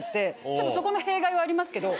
ちょっとそこの弊害はありますけど。